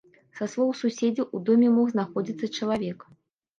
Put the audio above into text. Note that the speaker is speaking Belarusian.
Са словаў суседзяў, у доме мог знаходзіцца чалавек.